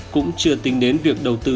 cũng chưa tính đến việc đầu tư